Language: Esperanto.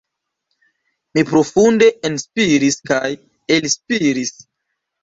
Mi profunde enspiris kaj elspiris.